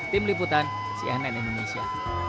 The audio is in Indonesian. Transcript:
tim liputan cnn indonesia